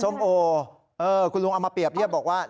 โอคุณลุงเอามาเปรียบเทียบบอกว่า